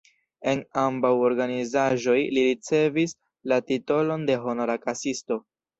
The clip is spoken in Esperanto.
En ambaŭ organizaĵoj li ricevis la titolon de Honora Kasisto.